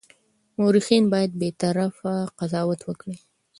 مورخین باید بېطرفه قضاوت وکړي.